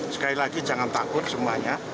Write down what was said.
sekali lagi jangan takut semuanya